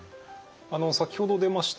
あの先ほど出ました